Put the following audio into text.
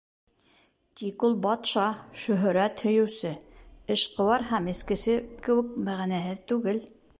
Тик ул батша, шөһрәт һөйөүсе, эшҡыуар һәм эскесе кеүек мәғәнәһеҙ түгел.